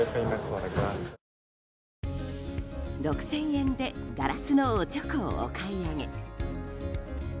６０００円でガラスのおちょこをお買い上げ。